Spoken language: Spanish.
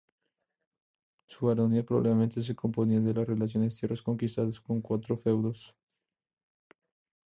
Su baronía probablemente se componía de las recientes tierras conquistadas con cuatro feudos.